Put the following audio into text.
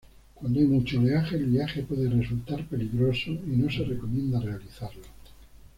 Cuando hay mucho oleaje el viaje puede resultar peligroso y no se recomienda realizarlo.